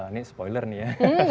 ini spoiler nih ya